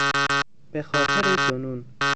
به خاطر جنون